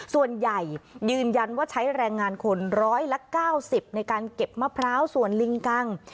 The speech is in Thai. ส่วนใหญ่ยืนยันว่าใช้แรงงานคนร้อยละ๙๐ในการเก็บมะพร้าวส่วนลิงกัง